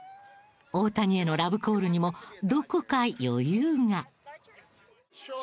大谷へのラブコールにもどこか余裕が。